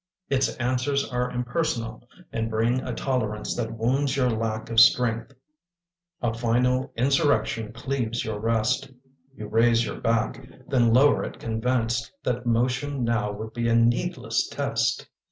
Its answers are impersonal and bring A tolerance that wounds your lack of strength. A final insurrection cleaves your rest. You raise your back, then lower it convinced That motion now would be a needless test.